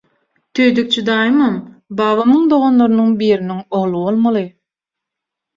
Tüýdükçi daýymam babamyň doganlarynyň biriniň ogly bolmaly.